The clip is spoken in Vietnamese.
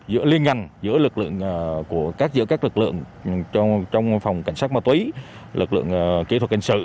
giữa liên ngành giữa các lực lượng trong phòng cảnh sát ma túy lực lượng kỹ thuật hình sự